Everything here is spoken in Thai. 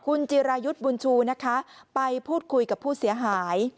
คุณจิรายุทธ์บุญชูนะคะไปพูดคุยกับผู้เสียหาย